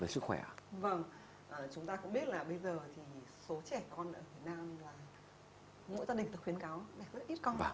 vâng chúng ta cũng biết là bây giờ thì số trẻ con ở việt nam là mỗi gia đình được khuyến cáo là rất là ít con